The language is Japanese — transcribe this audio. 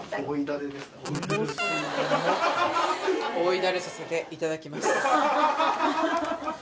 追いダレさせていただきます